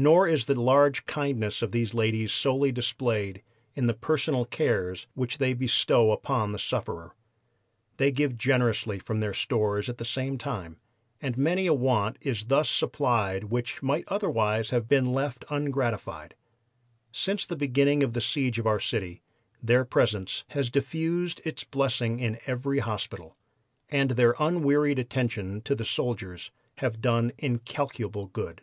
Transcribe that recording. Nor is the large kindness of these ladies solely displayed in the personal cares which they bestow upon the sufferer. They give generously from their stores at the same time, and many a want is thus supplied which might otherwise have been left ungratified. Since the beginning of the siege of our city their presence has diffused its blessings in every hospital, and their unwearied attentions to the soldiers have done incalculable good."